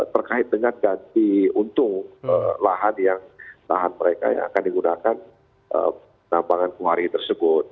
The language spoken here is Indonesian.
terkait dengan ganti untung lahan yang lahan mereka yang akan digunakan penambangan kemari tersebut